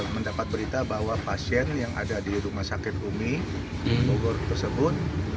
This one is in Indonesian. mendapat berita bahwa pasien yang ada di rumah sakit umi bogor tersebut